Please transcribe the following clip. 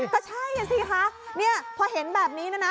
ก็ใช่สิคะเนี่ยพอเห็นแบบนี้นะนะ